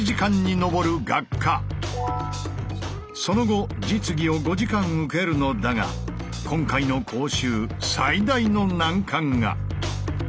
その後実技を５時間受けるのだが今回の講習最大の難関が。